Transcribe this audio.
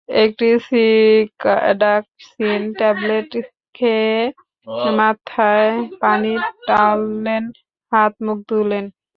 একটি সিডাকসিন ট্যাবলেট খেয়ে মাথায় পানি ঢাললেন, হাত-মুখ ধুলেন।